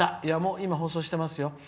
今、放送してますよ。